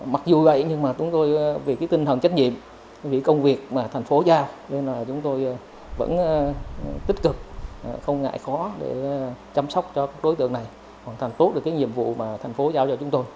mặc dù vậy nhưng mà chúng tôi vì cái tinh thần trách nhiệm vì công việc mà thành phố giao nên là chúng tôi vẫn tích cực không ngại khó để chăm sóc cho đối tượng này hoàn thành tốt được cái nhiệm vụ mà thành phố giao cho chúng tôi